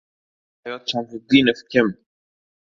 Hayot Shamsutdinov kim?